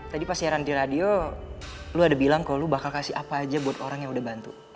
tadi pas siaran di radio lu ada bilang kok lu bakal kasih apa aja buat orang yang udah bantu